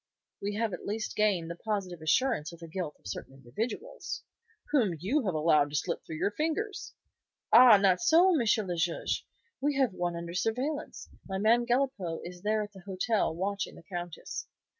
"We have at least gained the positive assurance of the guilt of certain individuals." "Whom you have allowed to slip through your fingers." "Ah, not so, M. le Juge! We have one under surveillance. My man Galipaud is there at the hotel watching the Countess."